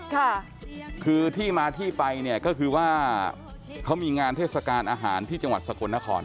ค่ะคือที่มาที่ไปเนี่ยก็คือว่าเขามีงานเทศกาลอาหารที่จังหวัดสกลนคร